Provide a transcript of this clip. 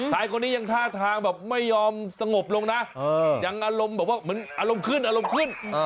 ชายคนนี้ยังท่าทางแบบไม่ยอมสงบลงนะยังอารมณ์แบบว่าเหมือนอารมณ์ขึ้นอารมณ์ขึ้น